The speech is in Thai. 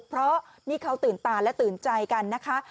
เพราะนี่เขาตื่นตาและตื่นใจกันนะคะ